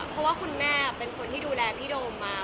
เพราะว่าคุณแม่เป็นคนที่ดูแลพี่โดมมา